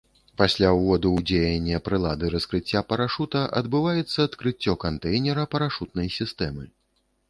Пасля ўводу ў дзеянне прылады раскрыцця парашута, адбываецца адкрыццё кантэйнера парашутнай сістэмы.